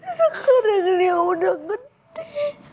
sekarang dia udah gede